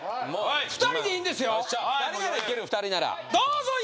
２人でいいんですよ